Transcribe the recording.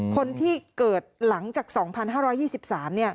คนที่เกิดหลังจาก๒๕๒๓เนี่ย